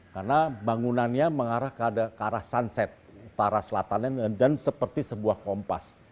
karena bangunannya mengarah ke arah sunset utara selatan dan seperti sebuah kompas